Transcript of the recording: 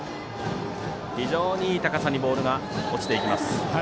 非常にいい高さにボールが落ちていきます。